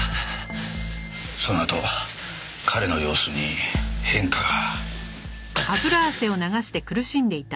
そのあと彼の様子に変化が。